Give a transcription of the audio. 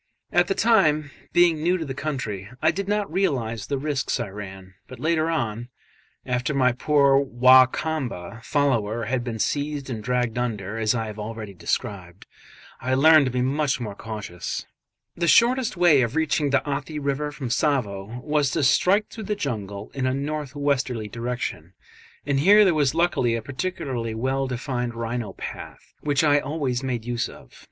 At the time, being new to the country, I did not realise the risks I ran; but later on after my poor Wa Kamba follower had been seized and dragged under, as I have already described I learned to be much more cautious. The shortest way of reaching the Athi river from Tsavo was to strike through the jungle in a north westerly direction, and here there was luckily a particularly well defined rhino path which I always made use of.